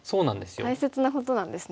大切なことなんですね。